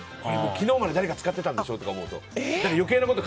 昨日まで誰か使ってたんでしょと思うと。